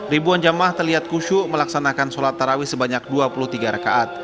ribuan jamaah terlihat kusyuk melaksanakan sholat tarawih sebanyak dua puluh tiga rekaat